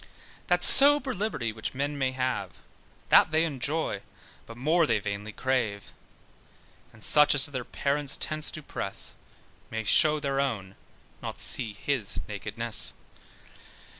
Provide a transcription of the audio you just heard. That sober liberty which men may have, That they enjoy, but more they vainly crave: And such as to their parents' tents do press, May show their own, not see his nakedness.